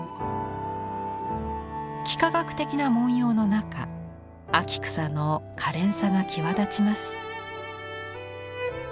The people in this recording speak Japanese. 幾何学的な文様の中秋草のかれんさが際立ちます。